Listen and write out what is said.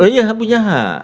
iya punya hak